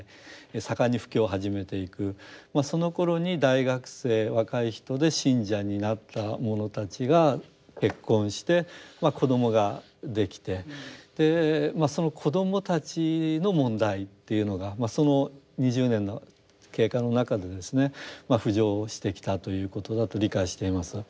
そのころに大学生若い人で信者になった者たちが結婚して子どもができてその子どもたちの問題というのがその２０年の経過の中でですね浮上してきたということだと理解しています。